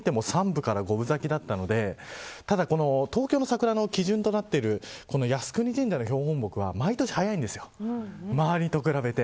全体を見ても３分から５分咲きだったのでただ、この東京の桜の基準となっている靖国神社の標本木は毎年早いんです。